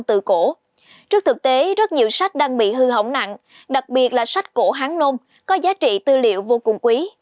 trước thực tế rất nhiều sách đang bị hư hỏng nặng đặc biệt là sách cổ hán nôm có giá trị tư liệu vô cùng quý